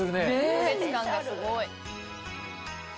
特別感がすごい。